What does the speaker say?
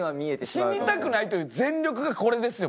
死にたくないという全力がこれですよ